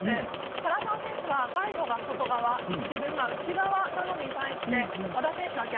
唐澤選手はガイドが外側自分が内側なのに対して和田選手は逆。